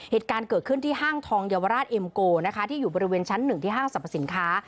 เหตุการณ์เกิดขึ้นที่ห้างทองเยาวราชเอ็มโกนะคะที่อยู่บริเวณชั้นหนึ่งที่ห้างสรรพสินค้า